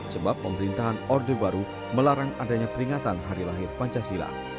sebab pemerintahan orde baru melarang adanya peringatan hari lahir pancasila